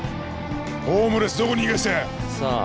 ホームレスどこに逃がした？さあ。